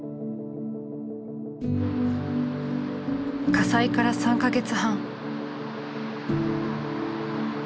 火災から３か月半。